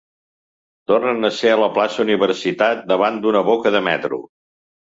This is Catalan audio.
Tornen a ser a la plaça Universitat, davant d'una boca de metro.